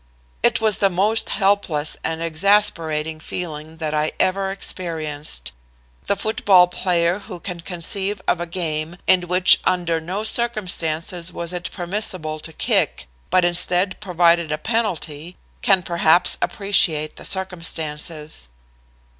"It was the most helpless and exasperating feeling that I ever experienced. The football player who can conceive of a game in which under no circumstances was it permissible to kick, but instead provided a penalty, can perhaps appreciate the circumstances.